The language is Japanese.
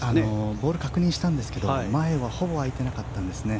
ボールを確認したんですが前はほぼ空いてなかったんです。